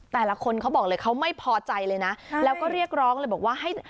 แต่ละคนเขาบอกเลยเขาไม่พอใจเลยนะแล้วก็เรียกร้องเลยบอกว่าให้